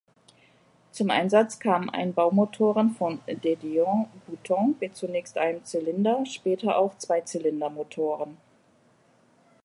Zum Einsatz kamen Einbaumotoren von De Dion-Bouton mit zunächst einem Zylinder, später auch Zweizylindermotoren.